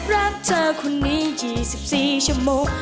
รักเธอคนนี้๒๔ชั่วโมง